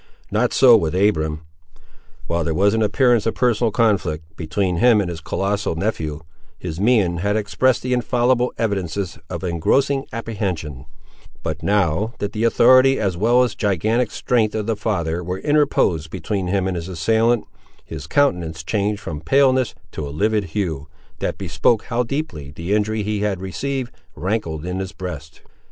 Not so with Abiram. While there was an appearance of a personal conflict, between him and his colossal nephew, his mien had expressed the infallible evidences of engrossing apprehension, but now, that the authority as well as gigantic strength of the father were interposed between him and his assailant, his countenance changed from paleness to a livid hue, that bespoke how deeply the injury he had received rankled in his breast.